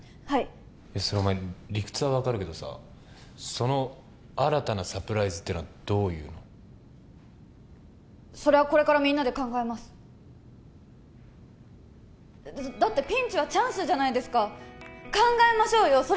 はいそれお前理屈は分かるけどさその新たなサプライズってのはどういうそれはこれからみんなで考えますだってピンチはチャンスじゃないですか考えましょうよ